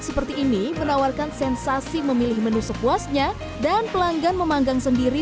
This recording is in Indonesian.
seperti ini menawarkan sensasi memilih menu sepuasnya dan pelanggan memanggang sendiri